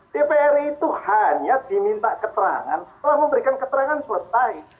dpr itu hanya diminta keterangan setelah memberikan keterangan selesai